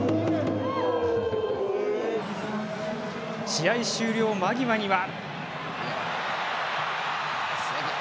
試合終了間際には。